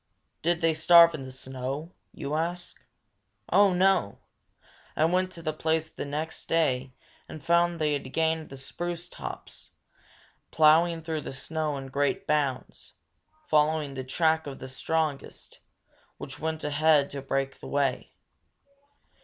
Did they starve in the snow? you ask. Oh, no! I went to the place next day and found that they had gained the spruce tops, ploughing through the snow in great bounds, following the track of the strongest, which went ahead to break the way.